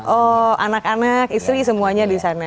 oh anak anak istri semuanya di sana